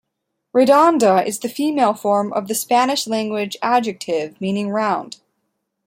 "Redonda" is the female form of the Spanish language adjective meaning "round".